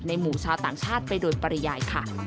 หมู่ชาวต่างชาติไปโดยปริยายค่ะ